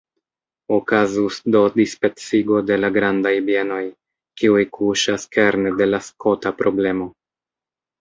Okazus do dispecigo de la grandaj bienoj, kiuj kuŝas kerne de la skota problemo.